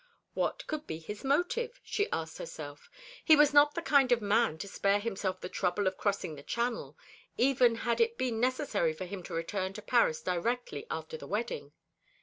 What could be his motive? she asked herself. He was not the kind of man to spare himself the trouble of crossing the Channel, even had it been necessary for him to return to Paris directly after the wedding.